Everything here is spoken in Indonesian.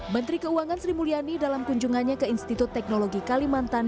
menteri keuangan sri mulyani dalam kunjungannya ke institut teknologi kalimantan